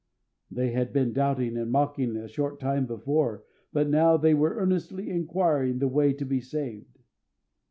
They had been doubting and mocking a short time before, but now they were earnestly inquiring the way to be saved.